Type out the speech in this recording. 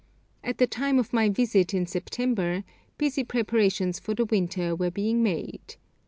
At the time of my visit (September) busy preparations for the winter were being made.